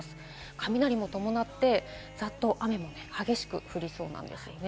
雷も伴って、ザッと雨も激しく降りそうです。